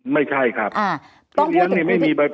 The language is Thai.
ไม่ใช่ครับ